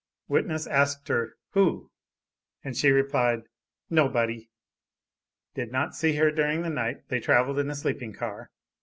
Witness asked her "Who?" and she replied "Nobody." Did not see her during the night. They traveled in a sleeping car.